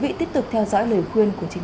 vì trong kem có lượng đường rất lớn